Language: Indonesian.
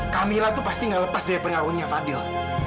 kamilla tuh pasti nggak lepas dari pengaruhnya fadil